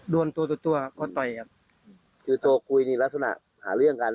โดนตัวตัวก็ต่อยครับคือตัวคุยนี่ลักษณะหาเรื่องกัน